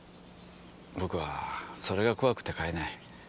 僕はそれが怖くて飼えない。